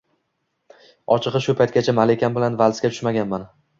Ochig`i shu paytgacha Malikam bilan valsga tushmaganman